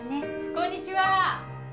こんにちは。